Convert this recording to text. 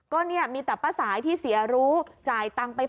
ก็เนี่ยมีแต่ป้าสายที่เสียรู้จ่ายตังค์ไป๑๐๐